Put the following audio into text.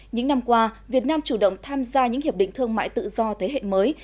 những năm qua việt nam chủ động tham gia những hiệp định thương mại tự do thế hệ mới